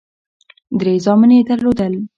درې زامن یې درلودل.